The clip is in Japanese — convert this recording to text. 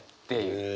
へえ。